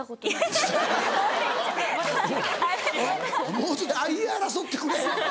もうちょっと言い争ってくれ。